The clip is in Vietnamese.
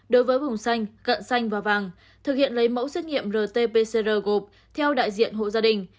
đối với vùng xanh cận xanh và vàng thực hiện lấy mẫu xét nghiệm rt pcr gộp theo đại diện hộ gia đình